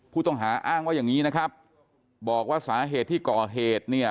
ผู้ต้องหาอ้างว่าอย่างนี้นะครับบอกว่าสาเหตุที่ก่อเหตุเนี่ย